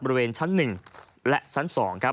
บริเวณชั้น๑และชั้น๒